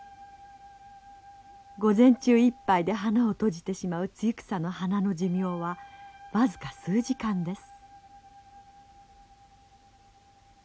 午前中いっぱいで花を閉じてしまうツユクサの花の寿命は僅か数時間です。